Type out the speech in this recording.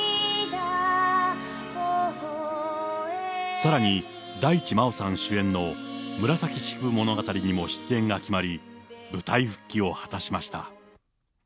さらに、大地真央さん主演の紫式部ものがたりにも出演が決まり、舞台復帰を果たしました。